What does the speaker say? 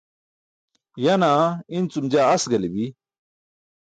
Yaa naa incum jaa as galibi.